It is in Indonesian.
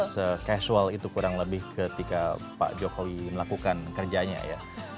se casual itu kurang lebih ketika pak jokowi melakukan kerjanya ya